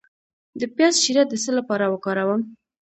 د پیاز شیره د څه لپاره وکاروم؟